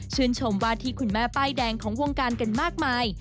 ชมวาที่คุณแม่ป้ายแดงของวงการกันมากมาย